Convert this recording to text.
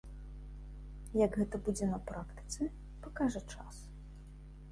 Як гэта будзе на практыцы, пакажа час.